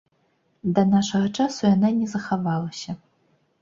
Да нашага часу яна не захавалася.